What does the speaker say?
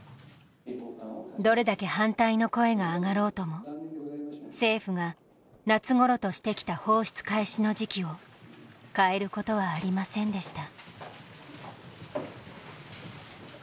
どれだけ反対の声が上がろうとも政府が夏ごろとしてきた放出開始の時期を変えることはありませんでした。